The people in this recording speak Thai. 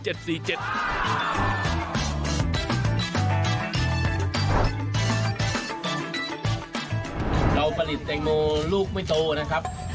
เราประดิษฐ์แตงโมลูกไม่โตนะครับ